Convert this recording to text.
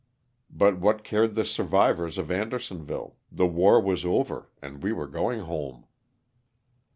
But what cared the survivors of Andersonville — the war was over and we were going home.